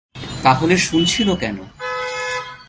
তাহলে শুনছিল কেন?